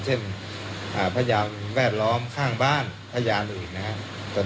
เช่นพยานแวดล้อมข้างบ้านพยานอื่นนะครับ